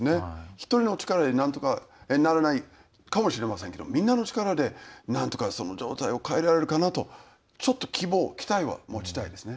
１人の力でなんとかならないかもしれないですけどみんなの力でなんとか状態を変えられるかなとちょっと希望期待は持ちたいですね。